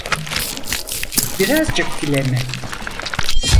Birazcık bile mi?